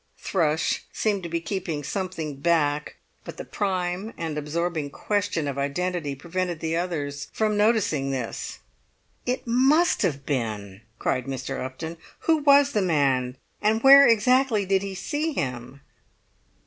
Thrush seemed to be keeping something back; but the prime and absorbing question of identity prevented the others from noticing this. "It must have been!" cried Mr. Upton. "Who was the man, and where exactly did he see him?"